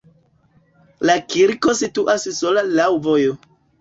La kirko situas sola laŭ vojo.